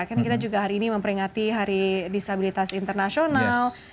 karena kita juga hari ini memperingati hari disabilitas internasional